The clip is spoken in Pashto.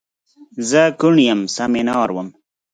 زه کوڼ یم سم یې نه اورم